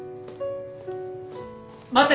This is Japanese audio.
待って！